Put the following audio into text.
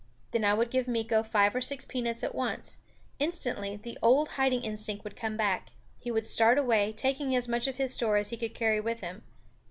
Then I would give Meeko five or six peanuts at once. Instantly the old hiding instinct would come back; he would start away, taking as much of his store as he could carry with him.